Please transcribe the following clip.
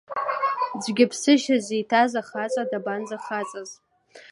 Цәгьаԥсышьа зиҭаз ахаҵа дабанӡахаҵаз!